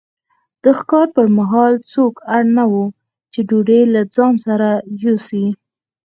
د ښکار پر مهال څوک اړ نه وو چې ډوډۍ له ځان سره یوسي.